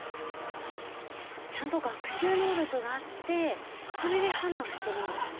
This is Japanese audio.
ちゃんと学習能力があってそれで判断してるんですね。